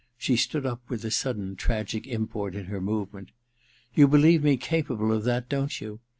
' She stood up with a sudden tragic import in her movement. *You believe me THE DILETTANTE 277 capable of that, don't you?